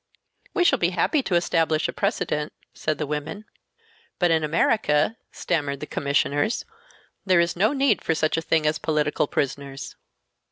"We shall be happy to establish a precedent," said the women. "But in America," stammered the Commissioners, "there is no need for such a thing as political prisoners."